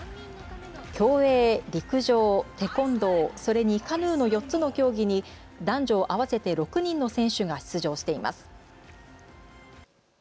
競泳、陸上、テコンドー、それにカヌーの４つの競技に男女合わせて６人の選手が出場しています。